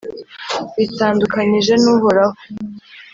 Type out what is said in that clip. bitandukanyije n’Uhoraho,